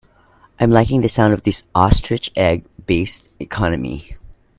I'm liking the sound of this ostrich egg based economy.